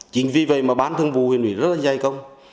chính vì vậy mà bán thương vụ huyền ủy rất dày công